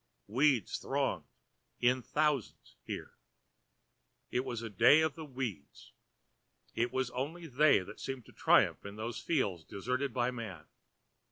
Weeds thronged, in thousands here. It was the day of the weeds. It was only they that seemed to triumph in those fields deserted of man.